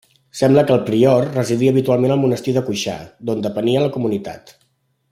Sembla que el prior residia habitualment al monestir de Cuixà, d'on depenia la comunitat.